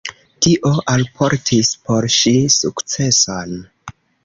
Tio alportis por ŝi sukceson.